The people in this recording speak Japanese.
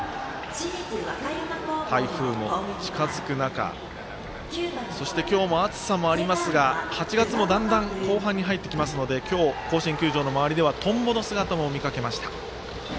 台風も近づく中そして、今日も暑さもありますが８月もだんだん後半に入ってきますので今日、甲子園球場の周りではとんぼの姿も見かけました。